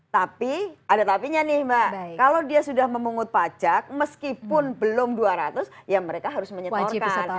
tapi ada tapinya nih mbak kalau dia sudah memungut pajak meskipun belum dua ratus ya mereka harus menyetorkan